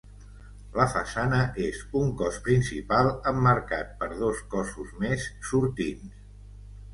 La façana és un cos principal emmarcat per dos cossos més sortints.